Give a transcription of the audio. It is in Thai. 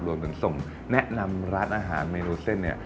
รวมถึงส่งแนะนำร้านอาหารเมนูเส้นเนี่ย